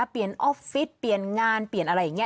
ออฟฟิศเปลี่ยนงานเปลี่ยนอะไรอย่างนี้